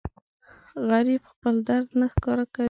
غریب خپل درد نه ښکاره کوي